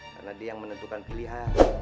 karena dia yang menentukan pilihan